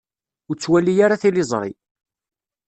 Ur ttwali ara tiliẓri.